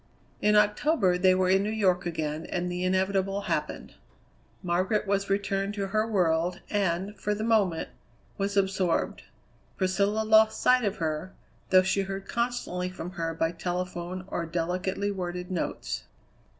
In October they were in New York again, and the inevitable happened. Margaret was returned to her world, and, for the moment, was absorbed. Priscilla lost sight of her, though she heard constantly from her by telephone or delicately worded notes.